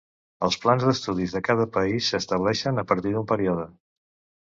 Els plans d'estudis de cada país s'estableixen a partir d'un període.